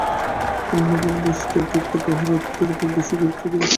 অন্য কোন বস্তু অপেক্ষা তাহারা অর্থের উপর বেশী গুরুত্ব দেয়।